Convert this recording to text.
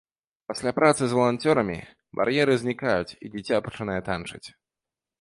Пасля працы з валанцёрамі бар'еры знікаюць, і дзіця пачынае танчыць.